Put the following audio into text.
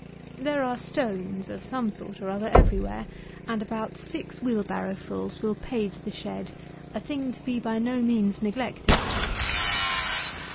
There are stones, of some sort or other, every where, and about six wheel barrow fulls will pave the shed, a thing to be by no means neglected.